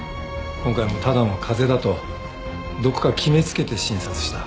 今回もただの風邪だとどこか決め付けて診察した。